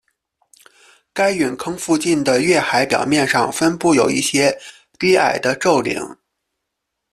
该陨坑附近的月海表面上分布有一些低矮的皱岭。